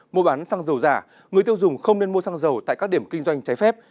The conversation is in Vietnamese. mua bán xăng dầu giả người tiêu dùng không nên mua xăng dầu tại các điểm kinh doanh trái phép